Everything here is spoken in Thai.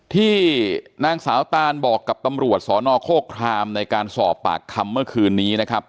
ที่นางสาวตานบอกกับตำรวจสนโฆครามในการสอบปากคำเมื่อคืนนี้นะครับ